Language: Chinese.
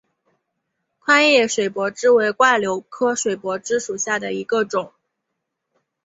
宽叶水柏枝为柽柳科水柏枝属下的一个种。